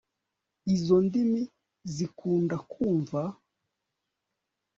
izo ndimi zikunda kumva